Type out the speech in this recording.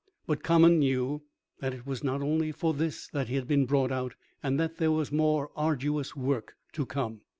But Common knew that it was not only for this that he had been brought out, and that there was more arduous work to come.